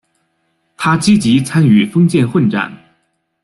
他积极参与封建混战。